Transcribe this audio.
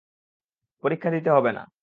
পরীক্ষা দিতে হবে না।